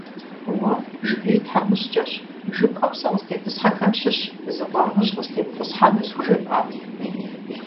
Уэ Жыгей тхьэмыщкӀэщ, жыпӀэу сэ къыстетӀысхьэхэм щыщ зы къуаргъыжь къыстемытӀысхьэну схужепӀа?!